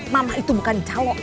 mama itu bukan calo